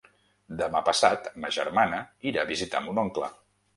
Demà passat ma germana irà a visitar mon oncle.